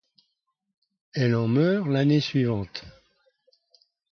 Elle en meurt l'année suivante.